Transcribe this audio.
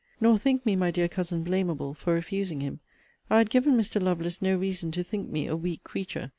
Nor think me, my dear Cousin, blamable for refusing him. I had given Mr. Lovelace no reason to think me a weak creature.